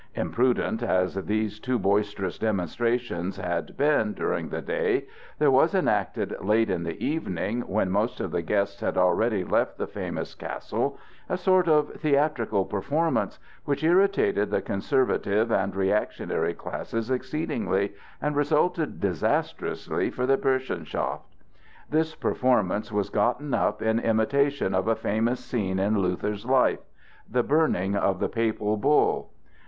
Imprudent as these too boisterous demonstrations had been during the day, there was enacted late in the evening, when most of the guests had already left the famous castle, a sort of theatrical performance, which irritated the conservative and reactionary classes exceedingly and resulted disastrously for the Burschenschaft. This performance was gotten up in imitation of a famous scene in Luther's life—the burning of the papal bull.